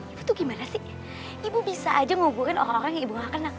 ibu tuh gimana sih ibu bisa aja ngumpulin orang orang yang ibu gak kena